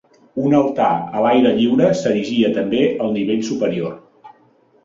Un altar a l'aire lliure s'erigia també al nivell superior.